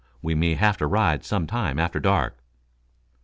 "We may have to ride some time after dark."